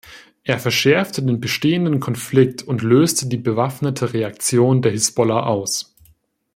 Er verschärfte den bestehenden Konflikt und löste die bewaffnete Reaktion der Hisbollah aus.